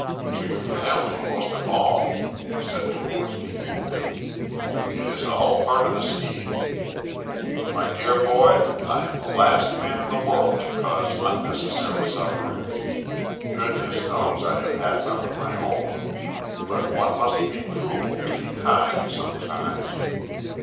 "To your family most of all," said Tchigorsky coolly. "It is all part of the scheme. "My dear boy, I am the last man in the world to cause unnecessary suffering goodness knows I have had enough of my own but one must be cruel to be kind sometimes.